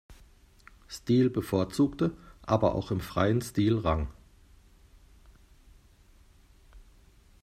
Stil bevorzugte, aber auch im freien Stil rang.